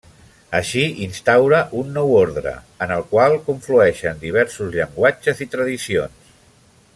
Així instaura un nou ordre, en el qual conflueixen diversos llenguatges i tradicions.